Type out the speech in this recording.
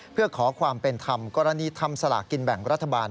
เพื่อขอความเป็นธรรมกรณีทำสลากกินแบ่งรัฐบาล